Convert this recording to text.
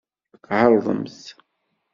Ɛerḍemt!